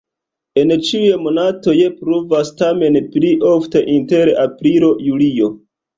En ĉiuj monatoj pluvas, tamen pli ofte inter aprilo-julio.